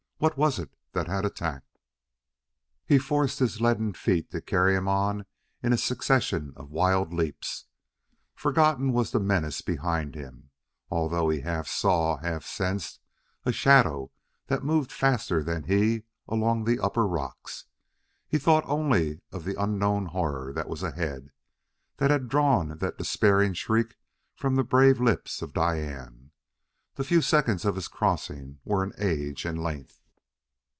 What was it that had attacked? He forced his leaden feet to carry him on in a succession of wild leaps. Forgotten was the menace behind him, although he half saw, half sensed, a shadow that moved faster than he along the upper rocks. He thought only of the unknown horror that was ahead, that had drawn that despairing shriek from the brave lips of Diane. The few seconds of his crossing were an age in length.